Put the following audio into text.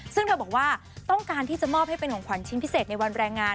ซึ่งเธอบอกว่าต้องการที่จะมอบให้เป็นของขวัญชิ้นพิเศษในวันแรงงาน